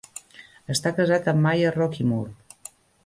Està casat amb Maya Rockeymoore.